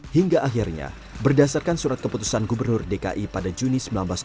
hingga akhirnya berdasarkan surat keputusan gubernur dki pada juni dua ribu lima